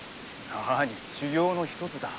なあに修業の一つだ。